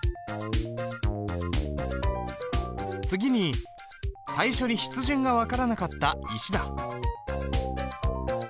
次に最初に筆順が分からなかった「石」だ。